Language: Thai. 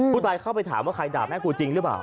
ผู้ตายเข้าไปถามว่าใครดาบแม่ผู้จริงหรือเปล่า